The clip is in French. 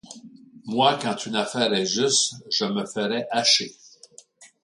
Moi, quand une affaire est juste, je me ferais hacher.